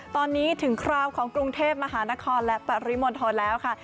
ตอนนี้ถึงคราวของกรุงเทพมหานครและปริมณฑลแล้วค่ะ